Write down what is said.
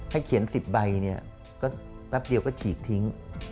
ให้เขียนสิบใบก็รับเดียวก็ฉีกทิ้ง